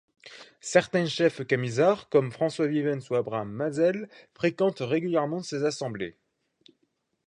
Certains chefs camisards, comme François Vivens ou Abraham Mazel fréquentent régulièrement ces assemblées.